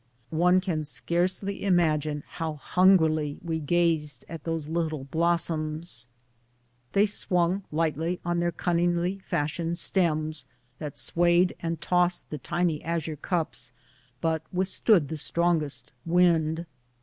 One can scarcely imagine how hungrily we gazed at those little blossoms. They swung lightly on oheir cunningly fashioned stems, that swayed and tossed the tiny azure cups, but withstood the strongest wind.